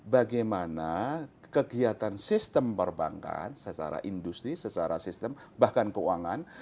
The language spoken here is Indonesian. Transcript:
bagaimana kegiatan sistem perbankan secara industri secara sistem bahkan keuangan